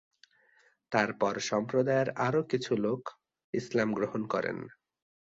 তার পর সম্প্রদায়ের আরও কিছু লোক ইসলাম গ্রহণ করেন।